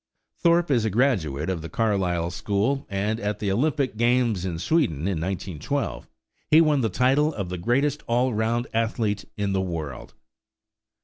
Thorpe is a graduate of the Carlisle school, and at the Olympic Games in Sweden in 1912 he won the title of the greatest all round athlete in the world.